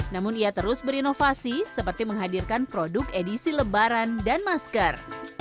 namun ia terus berinovasi seperti menghadirkan produk edisi lebaran dan masker